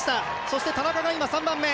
そして田中が今、３番目。